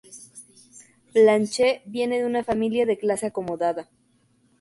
Blanche viene de una familia de clase acomodada.